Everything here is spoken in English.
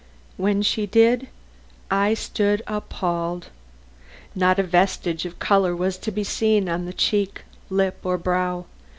When she did, I stood appalled. Not a vestige of color was to be seen on cheek, lip or brow.